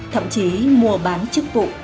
thậm chí mua bán chức vụ